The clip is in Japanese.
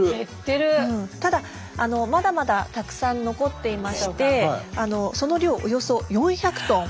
ただまだまだたくさん残っていましてその量およそ４００トン。